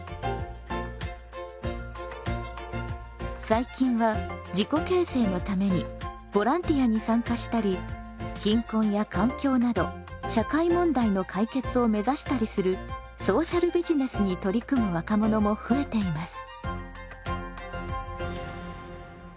最近は自己形成のためにボランティアに参加したり貧困や環境など社会問題の解決を目指したりするソーシャルビジネスに取り組む若者も増えています。